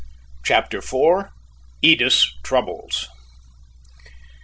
CHAPTER IV. EDITH'S TROUBLES.